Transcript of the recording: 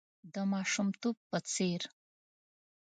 د ماشومتوب په څېر .